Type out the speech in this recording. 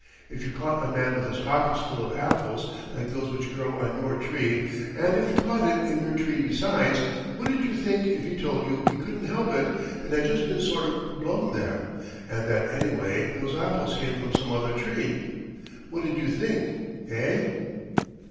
If you caught a man with his pockets full of apples like those which grow on your tree, and if you caught him in your tree besides, what'd you think if he told you he couldn't help it, and had just been sort of blown there, and that anyway those apples came from some other tree—what'd you think, eh?"